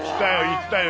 行ったよ